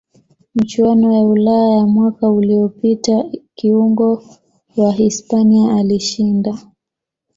michuano ya ulaya ya mwaka uliyopita kiungo wa hispania alishinda